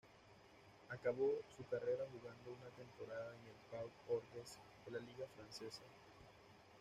Acabó su carrera jugando una temporada en el Pau-Orthez de la liga francesa.